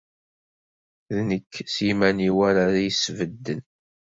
D nekk s yiman-iw ara s-ibedden.